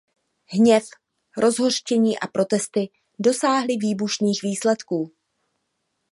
Hněv, rozhořčení a protesty dosáhly výbušných výsledků.